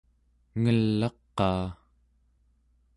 ngel'aqaa